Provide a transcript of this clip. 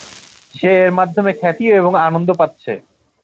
সে এর মাধ্যমে খ্যাতি এবং আনন্দ পাচ্ছে।